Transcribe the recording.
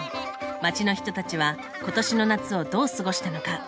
街の人たちは今年の夏をどう過ごしたのか。